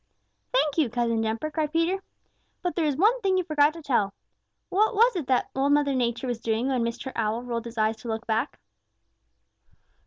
"Thank you, Cousin Jumper," cried Peter. "But there is one thing you forgot to tell. What was it that Old Mother Nature was doing when Mr. Owl rolled his eyes to look back."